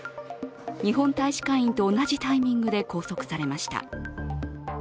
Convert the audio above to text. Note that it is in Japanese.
日本大使館員と同じタイミングで拘束されました。